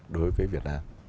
đối với việt nam